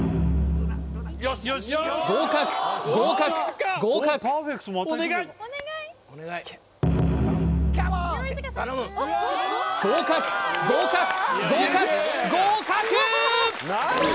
合格合格合格合格合格合格合格ー！